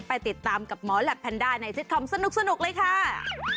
ไปติดตามกับหมอแหลปแพนด้าในซิตคอมสนุกเลยค่ะ